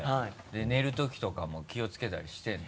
寝る時とかも気をつけたりしてるの？